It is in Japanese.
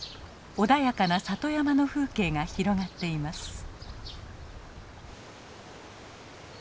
穏やかな里山の風景が広がっています。